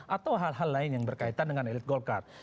atau hal hal lain yang berkaitan dengan elit golkar